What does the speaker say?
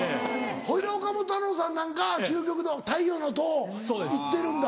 ほいで岡本太郎さんなんか究極の『太陽の塔』を行ってるんだ。